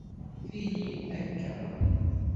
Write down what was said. Tili akka